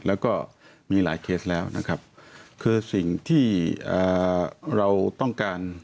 แล้วก็มีหลายเคสแล้วนะครับคือสิ่งที่เราต้องการ